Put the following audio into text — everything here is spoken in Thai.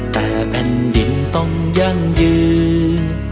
แต่แผ่นดินต้องยั่งยืน